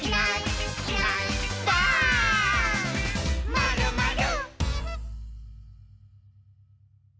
「まるまる」